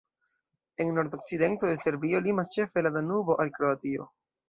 En nordokcidento de Serbio limas ĉefe la Danubo al Kroatio.